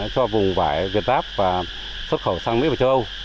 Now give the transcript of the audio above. cho vùng vải việt giáp và xuất khẩu sang mỹ và châu âu